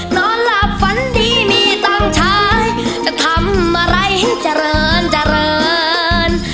นอนหลับฝันดีมีตังค์ใช้จะทำอะไรให้เจริญเจริญ